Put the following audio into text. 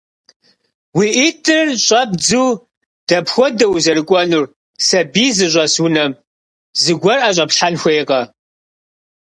Уи ӏитӏыр щӏэбдзу дэпхуэдэу узэрыкӏуэнур сэбий зыщӏэс унэм? Зыгуэр ӏэщӏэплъхэн хуейкъэ?